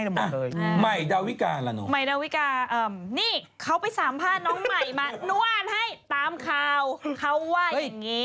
ยังรู้ใช่ไหมเขาเอาให้รถเมล์อาหารเลยคิดดูแล้วกันนะ